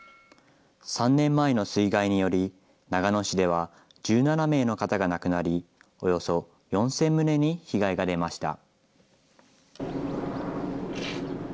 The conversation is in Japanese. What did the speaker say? ３年前の水害により、長野市では１７名の方が亡くなり、およそ４０００棟に被害が出ました。